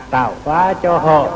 tạo hóa cho họ